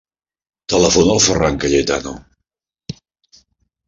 Telefona al Ferran Cayetano.